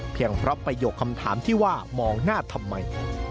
เพราะประโยคคำถามที่ว่ามองหน้าทำไม